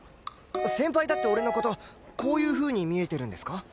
先輩だって俺の事こういうふうに見えてるんですか？